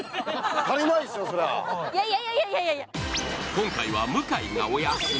今回は向井がお休み。